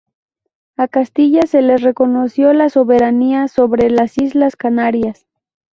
A Castilla se le reconoció la soberanía sobre las islas Canarias.